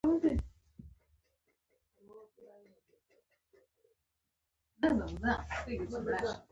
دا قصه له ډېر پخوا ده